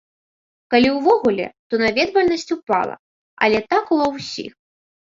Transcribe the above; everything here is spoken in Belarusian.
Калі ўвогуле, то наведвальнасць упала, але так у ва ўсіх.